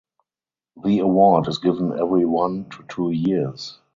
The award is given every one to two years.